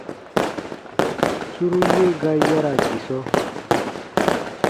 Suru ye ga yara gisɔ.